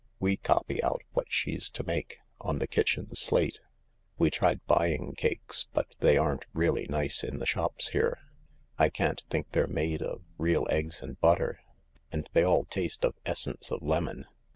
We copy out what she's to make, on the kitchen slate. We tried buying cakes— but they aren't really nice in the shops here. I can't think they're made of real eggs and butter, and they all taste of essence of lemon.